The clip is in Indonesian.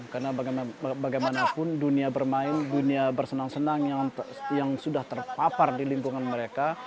karena bagaimanapun dunia bermain dunia bersenang senang yang sudah terpapar di lingkungan mereka